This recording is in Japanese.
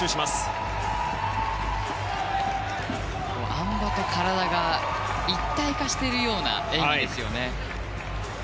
あん馬と体が一体化しているような演技ですよね。